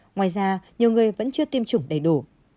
ngoài ra nhiều người vẫn chưa tiêm chủng đầy đủ